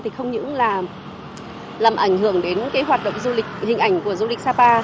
thì không những là làm ảnh hưởng đến hoạt động du lịch hình ảnh của du lịch sapa